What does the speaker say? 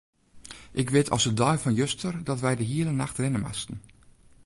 Ik wit as de dei fan juster dat wy de hiele nacht rinne moasten.